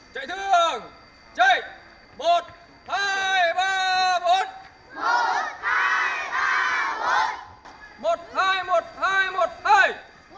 chạy thương chạy một hai ba bốn